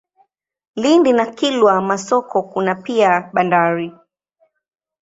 Lindi na Kilwa Masoko kuna pia bandari.